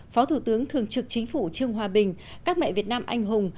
phó thủ tướng thường trực chính phủ trương hòa bình các mẹ việt nam anh hùng